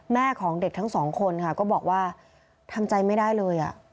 แม่ของเด็กทั้งสองคนค่ะก็บอกว่าทำใจไม่ได้เลย